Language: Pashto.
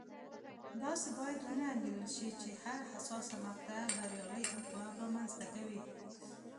داسې باید ونه انګېرل شي چې هره حساسه مقطعه بریالی انقلاب رامنځته کوي.